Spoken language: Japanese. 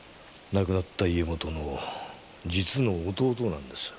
亡くなった家元の実の弟なんですよ。